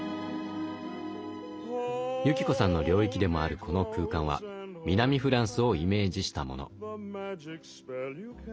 由紀子さんの領域でもあるこの空間は南フランスをイメージしたもの。